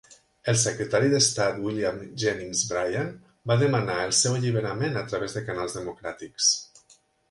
El Secretari d'Estat William Jennings Bryan va demanar el seu alliberament a través de canals democràtics.